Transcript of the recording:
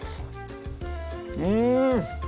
うん！